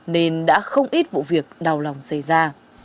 nên đã không ít vụ việc đau lòng xảy ra